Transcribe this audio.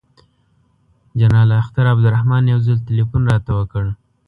جنرال اختر عبدالرحمن یو ځل تلیفون راته وکړ.